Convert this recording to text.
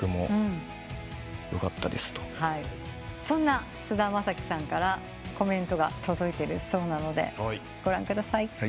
そんな菅田将暉さんからコメントが届いてるそうなのでご覧ください。